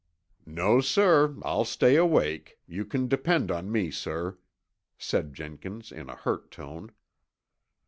"No, sir. I'll stay awake. You can depend on me, sir," said Jenkins in a hurt tone.